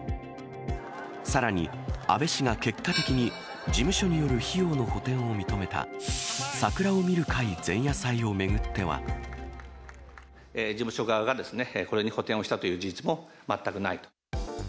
さらに、安倍氏が結果的に事務所による費用の補填を認めた、桜を見る会前事務所側がですね、これに補填をしたという事実も全くないと。